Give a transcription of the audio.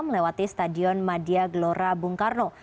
melewati stadion madia gelora bung karno